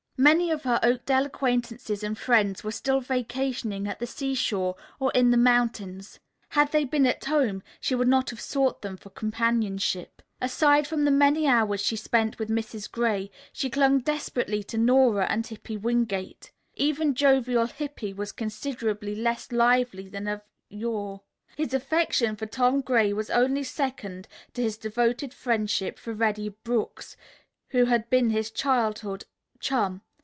Many of her Oakdale acquaintances and friends were still vacationing at the seashore or in the mountains. Had they been at home, she would not have sought them for companionship. Aside from the many hours she spent with Mrs. Gray, she clung desperately to Nora and Hippy Wingate. Even jovial Hippy was considerably less lively than of yore. His affection for Tom Gray was only second to his devoted friendship for Reddy Brooks, who had been his childhood's chum.